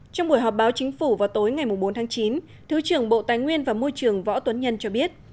trong buổi họp báo chính phủ vào tối ngày bốn tháng chín thứ trưởng bộ tài nguyên và môi trường võ tuấn nhân cho biết